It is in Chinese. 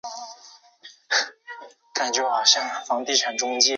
但文征明幼时并不聪慧。